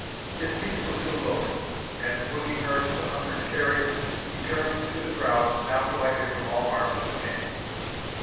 His piece was soon loaded; and, swinging her to the hunter's carry, he turned to the crowd, now collected from all parts of the camp.